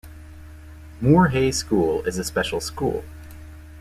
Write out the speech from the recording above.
Moor Hey School is a special school.